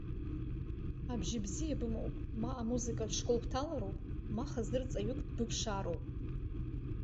Абжьы бзиа бымоуп, ма амузыкатә школ бҭалароуп, ма хазы рҵаҩык дбыԥшаароуп.